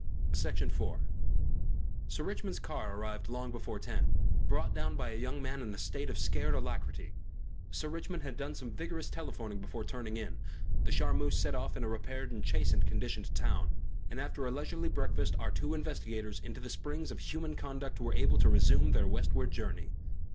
Section 4 Sir Richmond's car arrived long before ten, brought down by a young man in a state of scared alacrity Sir Richmond had done some vigorous telephoning before turning in, the Charmeuse set off in a repaired and chastened condition to town, and after a leisurely breakfast our two investigators into the springs of human conduct were able to resume their westward journey.